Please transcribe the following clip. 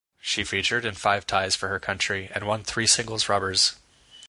She featured in five ties for her country and won three singles rubbers.